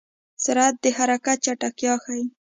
سرعت د حرکت چټکتیا ښيي.